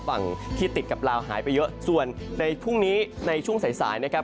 ฝั่งที่ติดกับลาวหายไปเยอะส่วนในพรุ่งนี้ในช่วงสายสายนะครับ